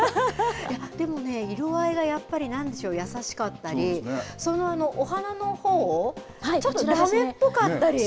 でもね、色合いがなんでしょう、優しかったり、そのお花のほう、ちょっとラメっぽかったり。